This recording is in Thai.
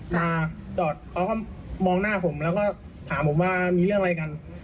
จอดเขาก็มองหน้าผมแล้วก็ถามผมว่ามีเรื่องอะไรกัน